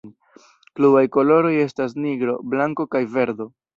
Klubaj koloroj estas nigro, blanko kaj verdo.